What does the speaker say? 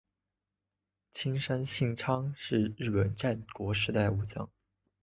青山信昌是日本战国时代武将。